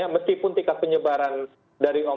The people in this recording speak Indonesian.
meskipun tingkat penyebaran dari